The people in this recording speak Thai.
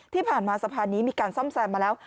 ที่ผ่านมาสะพานนี้มีการซ่อมแซมมาแล้ว